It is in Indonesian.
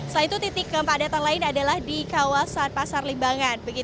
selain itu titik kepadatan lain adalah di kawasan pasar limbangan